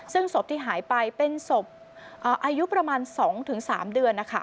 ซึ่งศพที่หายไปเป็นศพอายุประมาณ๒๓เดือน